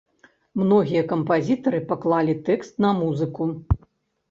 Многія кампазітары паклалі тэкст на музыку.